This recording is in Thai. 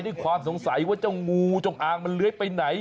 ด้วยความสงสัยว่าเจ้างูจงอางมันเลื้อยไปไหน